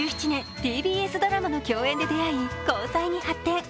ＴＢＳドラマの共演で出会い、交際に発展。